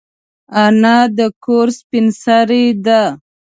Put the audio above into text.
انا د کور سپین سرې ده